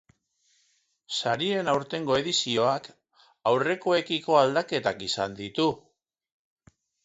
Sarien aurtengo edizioak aurrekoekiko aldaketak izan ditu.